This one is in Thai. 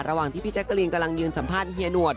ระหว่างที่พี่แจ๊กกะลีนกำลังยืนสัมภาษณ์เฮียหนวด